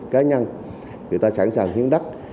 cá nhân người ta sẵn sàng hiến đất